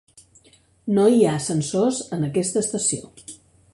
No hi ha ascensors en aquesta estació.